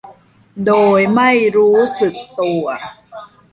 โดยไม่รู้สึกตัว